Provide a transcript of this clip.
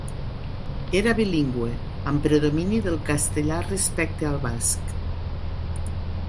Era bilingüe amb predomini del castellà respecte al basc.